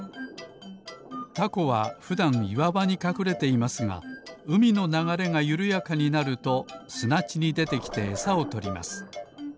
タコはふだんいわばにかくれていますがうみのながれがゆるやかになるとすなちにでてきてえさをとります。